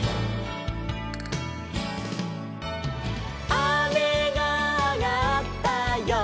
「あめがあがったよ」